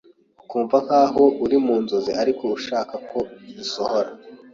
ukumva nkaho uri mu nzozi ariko ushaka ko zisohora.